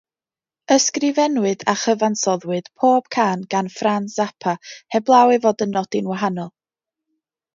Ysgrifennwyd a chyfansoddwyd pob cân gan Fran Zappa, heblaw ei fod yn nodi'n wahanol.